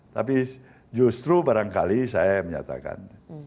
tapi justru barangkali saya menyatakan